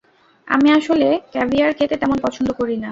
আমি আসলে ক্যাভিয়ার খেতে তেমন পছন্দ করি না।